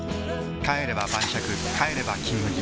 帰れば晩酌帰れば「金麦」